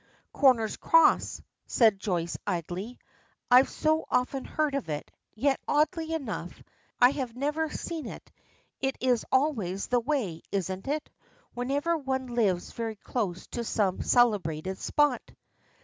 "Connor's Cross," says Joyce, idly. "I've so often heard of it. Yet, oddly enough, I have never seen it; it is always the way, isn't it, whenever one lives very close to some celebrated spot."